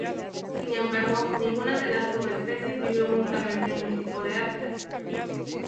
Sin embargo, ninguna de las subespecies vive únicamente en un tipo de hábitat.